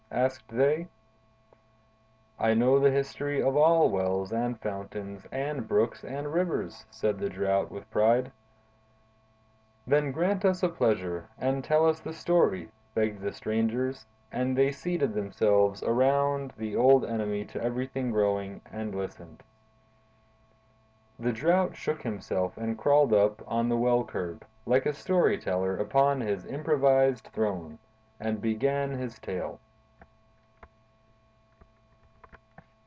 asked they. "I know the history of all wells and fountains and brooks and rivers," said the Drought, with pride. "Then grant us a pleasure, and tell us the story!" begged the strangers; and they seated themselves around the old enemy to everything growing, and listened. The Drought shook himself and crawled up on the well curb, like a story teller upon his improvised throne, and began his tale.